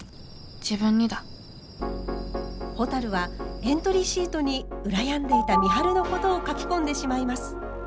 自分にだほたるはエントリーシートに羨んでいた美晴のことを書き込んでしまいます。